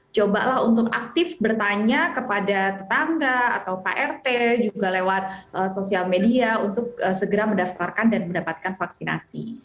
cobalah untuk aktif bertanya kepada tetangga atau pak rt juga lewat sosial media untuk segera mendaftarkan dan mendapatkan vaksinasi